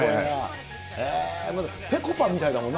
ぺこぱみたいだもんね。